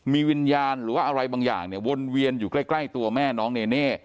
มีวิญญาณหรือว่าอะไรบางอย่างเนี่ยวนเวียนอยู่ใกล้ตัวแม่น้องเนเน่